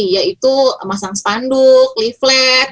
yaitu masang spanduk leaflet